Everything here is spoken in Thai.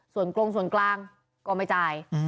ส่วนกรงส่วนกลางก็ไม่จ่าย